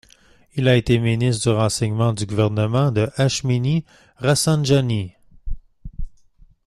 Il a été ministre du renseignement du gouvernement de Hachemi Rafsandjani.